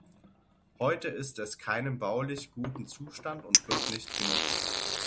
Heute ist es keinem baulich guten Zustand und wird nicht genutzt.